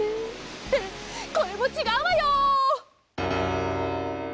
ってこれもちがうわよ！